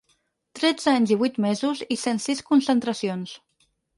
Tretze anys i vuit mesos i cent sis concentracions.